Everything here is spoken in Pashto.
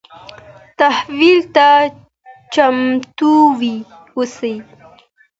تحول ته چمتو اوسئ.